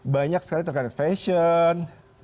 banyak sekali terkait fashion